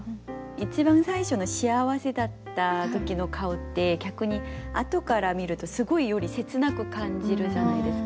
一番最初の幸せだった時の顔って逆にあとから見るとすごいより切なく感じるじゃないですか。